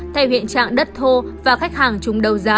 thay hiện trạng đất thô và khách hàng chung đấu giá